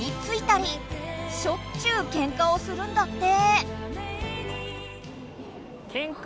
しょっちゅうケンカをするんだって。